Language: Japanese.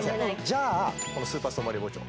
じゃあこのスーパーストーンバリア包丁